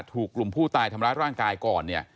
ถูกกลุ่มผู้ตายทำร้ายร่างกายก่อนเนี่ย